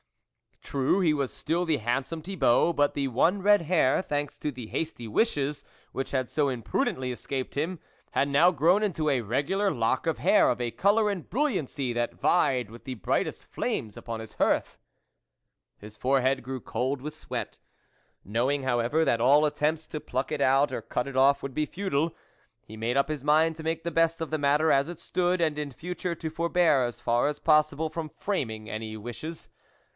True, he was still the handsome Thibault, but the one red hair, thanks to the hasty wishes which had so imprudently escaped him, had now grown to a regular lock of hair, of colour and brilliancy that vied with the brightest flames upon his hearth. His forehead grew cold with sweat. Knowing, however, that all attempts to pluck it out or cut it off would be futile, ic made up his mind to make the best of :he matter as it stood, and in future to forbear as far as possible from framing any wishes.